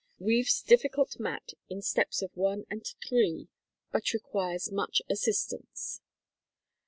Weaves diffi cult mat in steps of I and 3 , but requires much assistance.